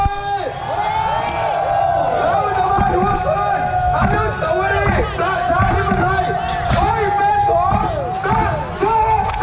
แล้วต่อไปทุกคนอันดุษย์สวรรค์ประชานิปไทยค่อยเป็นของประชาชน